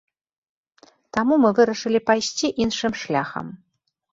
Таму мы вырашылі пайсці іншым шляхам.